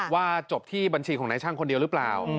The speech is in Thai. จบที่บัญชีของนายช่างคนเดียวหรือเปล่า